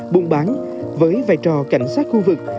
bụng bán với vai trò cảnh sát khu vực